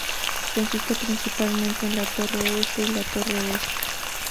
Consiste principalmente en la Torre Este y la Torre Oeste.